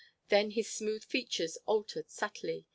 Then his smooth features altered subtly.